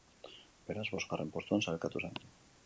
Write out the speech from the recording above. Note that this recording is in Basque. Beraz, bosgarren postuan sailkatu zen.